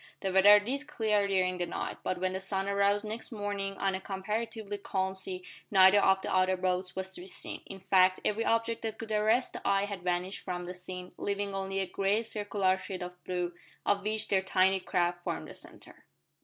The weather did clear during the night, but when the sun arose next morning on a comparatively calm sea neither of the other boats was to be seen. In fact every object that could arrest the eye had vanished from the scene, leaving only a great circular shield of blue, of which their tiny craft formed the centre.